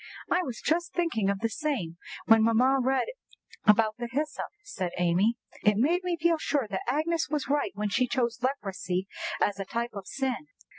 "I was just thinking of the same when mamma read about the hyssop," said Amy. "It made me feel sure that Agnes was right when she chose leprosy as a type of sin."